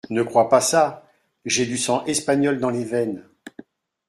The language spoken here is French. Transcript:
Ne crois pas ça ! j’ai du sang espagnol dans les veines !